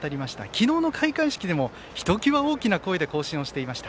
昨日の開会式でも、ひときわ大きな声で更新していました。